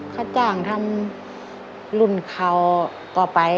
คะตั้งทั้งรุ่นขาวก่อไป